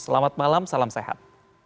selamat malam salam sehat